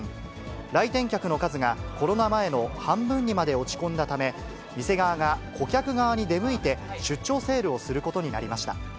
来店客の数がコロナ前の半分にまで落ち込んだため、店側が顧客側に出向いて、出張セールをすることになりました。